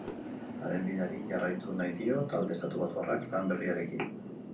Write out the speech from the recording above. Haren bideari jarraitu nahi dio talde estatubatuarrak lan berriarekin.